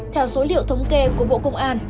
theo số liệu thống kê của bộ công an